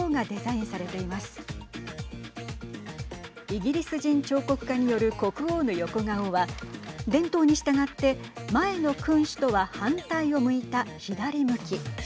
イギリス人彫刻家による国王の横顔は伝統に従って前の君主とは反対を向いた左向き。